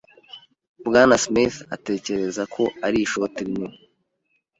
Bwana Smith atekereza ko ari ishoti rinini.